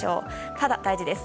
ただ、大事です。